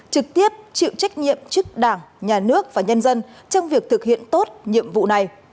trực tiếp chịu trách nhiệm trước đảng nhà nước và nhân dân trong việc thực hiện tốt nhiệm vụ này